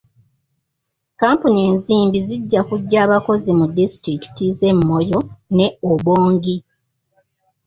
Kampuni enzimbi zijja kujja abakozi mu disitulikiti z'e Moyo ne Obongi.